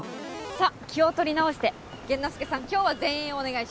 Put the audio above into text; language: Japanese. さあ気を取り直して玄之介さん今日は前衛をお願いします。